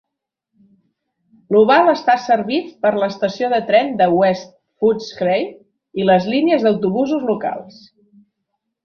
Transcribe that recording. L'oval està servit per l'estació de tren de West Footscray i les línies d'autobusos locals.